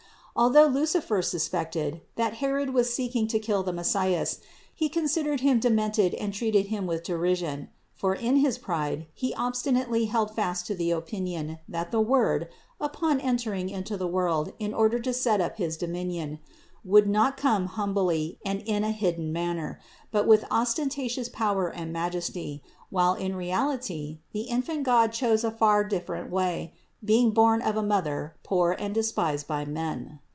Although Lucifer suspected, that Herod was seeking to kill the Messias, he considered him de mented and treated him with derision. For in his pride he obstinately held fast to the opinion, that the Word, upon entering into the world in order to set up his dominion, would not come humbly and in a hidden manner, but with ostentatious power and majesty, while in reality the infant God chose a far different way, being born of a Mother poor and despised by men.